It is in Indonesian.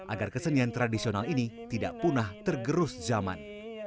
agar kesenian tradisional ini tidak punah tergerus zaman